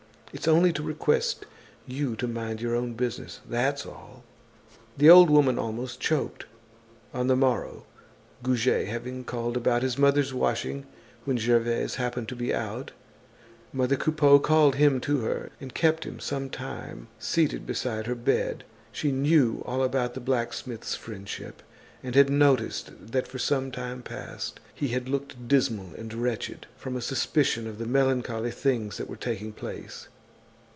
It's only to request you to mind your own business, that's all!" The old woman almost choked. On the morrow, Goujet having called about his mother's washing when Gervaise happened to be out, mother Coupeau called him to her and kept him some time seated beside her bed. She knew all about the blacksmith's friendship, and had noticed that for some time past he had looked dismal and wretched, from a suspicion of the melancholy things that were taking place.